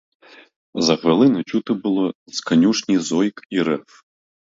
За хвилину чути було з конюшні зойк і рев.